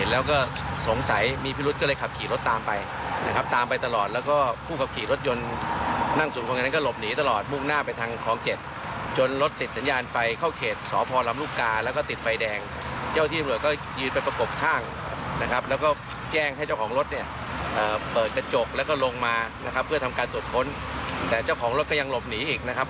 ลงมานะครับเพื่อทำการตรวจค้นแต่เจ้าของรถก็ยังหลบหนีอีกนะครับ